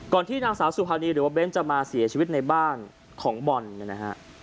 ที่นางสาวสุภานีหรือว่าเบ้นจะมาเสียชีวิตในบ้านของบอลเนี่ยนะฮะ